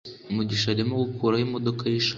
mugisha arimo gukuraho imodoka ye ishaje